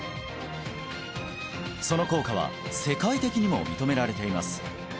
その効果は世界的にも認められています